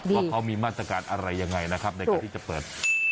ว่าเขามีมาตรการอะไรยังไงนะครับในการที่จะเปิด